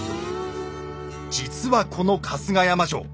実はこの春日山城。